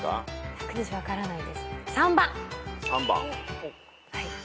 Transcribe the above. １２０分からないです。